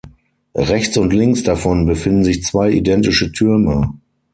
Rechts und links davon befinden sich zwei identische Türme.